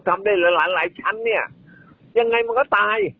ทำได้เหลือหลายชั้นเนี่ยยังไงมันก็ตาย